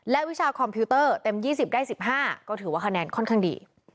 และวิชาคอมพิวเตอร์เต็ม๒๐ได้๑๕ก็ถือว่าคะแนนค่อนข้างดี